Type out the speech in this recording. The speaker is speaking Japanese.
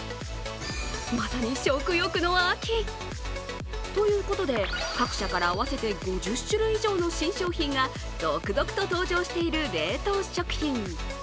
まさに食欲の秋ということで各社から合わせて５０種類以上の新商品が続々と登場している冷凍食品。